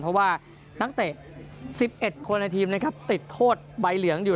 เพราะว่านักเตะ๑๑คนในทีมนะครับติดโทษใบเหลืองอยู่